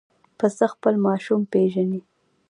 پسه خپل ماشوم پېژني.